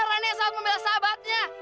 mana rani yang sempurna saat membela sahabatnya